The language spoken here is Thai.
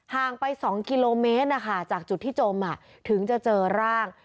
ห่างไป๒กิโลเมตรจากจุดที่จมถึงจะเจอร่าง